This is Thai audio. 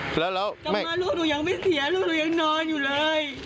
แล้วกลับมาลูกหนูยังไม่เสียลูกหนูยังนอนอยู่เลย